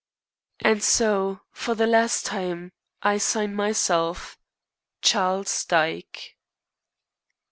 And so, for the last time, I sign myself CHARLES DYKE.